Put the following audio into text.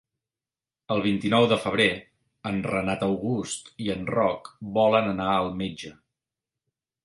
El vint-i-nou de febrer en Renat August i en Roc volen anar al metge.